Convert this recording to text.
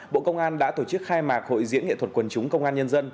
bộ công an đã tổ chức khai mạc hội diễn nghệ thuật quần chúng công an nhân dân